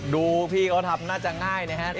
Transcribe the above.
พี่เขาทำน่าจะง่ายนะครับ